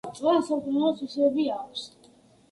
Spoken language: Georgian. წყალს სამკურნალო თვისებები აქვს.